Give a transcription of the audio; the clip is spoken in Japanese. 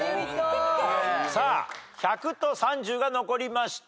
さあ１００と３０が残りました。